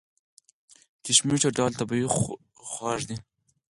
کشمش یو ډول طبیعي خوږ دی.